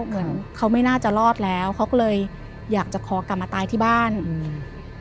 เหมือนเขาไม่น่าจะรอดแล้วเขาก็เลยอยากจะขอกลับมาตายที่บ้านอืม